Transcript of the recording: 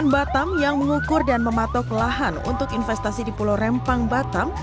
batam yang mengukur dan mematok lahan untuk investasi di pulau rempang batam